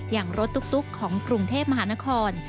อย่างรถตุ๊กของกรุงเทพมหานคร